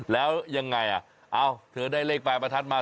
แล้วยังไงละเท่าไหร่เออเธอได้เลขปลายประทัดมา